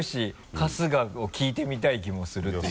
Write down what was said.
「春日」を聞いてみたい気もするっていう。